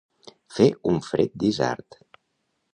Fer un fred d'isard.